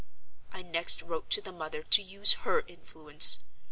I next wrote to the mother to use her influence.